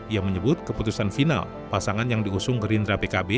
ia menyebut keputusan final pasangan yang diusung gerindra pkb